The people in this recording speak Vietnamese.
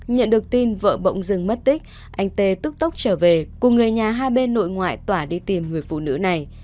nhận được tin vợ bỗng dừng mất tích anh t tức tốc trở về cùng người nhà hai bên nội ngoại tỏa đi tìm người phụ nữ này